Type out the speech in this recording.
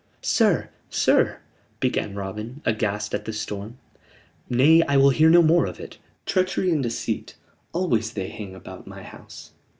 "Sir, sir!" began Robin, aghast at this storm. "Nay, I will hear no more of it. Treachery and deceit always they hang about my house.